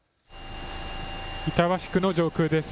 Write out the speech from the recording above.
板橋区の上空です。